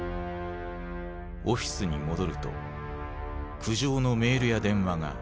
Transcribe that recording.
オフィスに戻ると苦情のメールや電話が殺到していた。